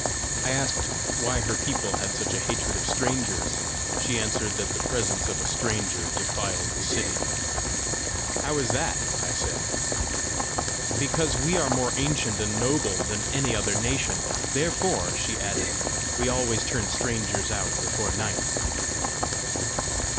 I asked why her people had such a hatred of strangers. She answered that the presence of a stranger defiled the city. "How is that?" I said. "Because we are more ancient and noble than any other nation. Therefore," she added, "we always turn strangers out before night."